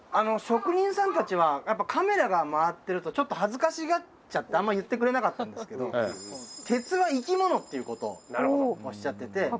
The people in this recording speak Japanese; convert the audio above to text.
職人さんたちはやっぱカメラが回ってるとちょっと恥ずかしがっちゃってあんま言ってくれなかったんですけど「鉄は生き物」っていうことをおっしゃってて。